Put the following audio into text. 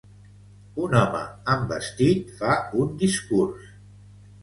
un home amb vestit fa un discurs.